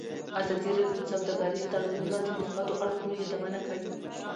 ازادي راډیو د سوداګریز تړونونه د مثبتو اړخونو یادونه کړې.